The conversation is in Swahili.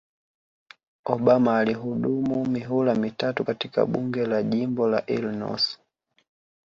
Obama alihudumu mihula mitatu katika Bunge la jimbo la Illinos